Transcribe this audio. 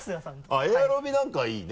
あっエアロビなんかいいね。